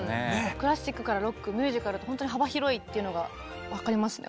クラシックからロックミュージカルとほんとに幅広いっていうのが分かりますね。